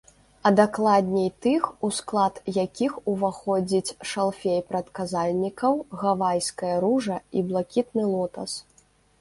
А дакладней тых, у склад якіх уваходзіць шалфей прадказальнікаў, гавайская ружа і блакітны лотас.